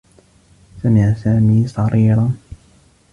سمع سامي صريرا.